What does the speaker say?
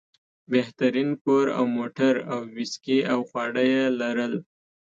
بهترین کور او موټر او ویسکي او خواړه یې لرل.